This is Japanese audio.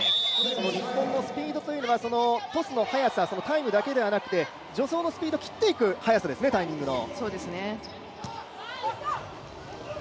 日本のスピードというのはトスの速さ、タイムだけではなくて助走のスピード切っていくはやさですね、タイミングの。